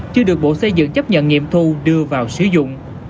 chưa được bộ xây dựng chấp nhận nghiệm thu đưa vào sử dụng